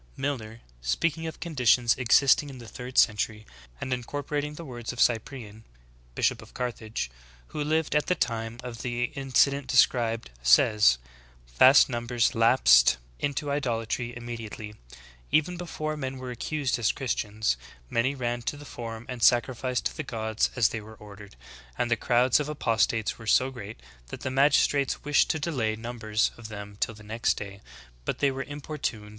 Milner, spea ing of conditions existing in the third century, and incorpor ating the words of Cyprian, bishop of Carthage, v/ho lived at the time of the incident described, says : "Vast numbers lapsed into idolatry immediately. Even before men were accused as Christians, many ran to the forum and sacrificed to the gods as they were ordered ; and the crowds of apos tates were so great, that the magistrates wished to delay numbers of them till the next day, but they were importuned fe> ^ Gibbon, "Decline and Fall of the Roman Empire," ch. XVI. 84 THE GREAT APOSTASY.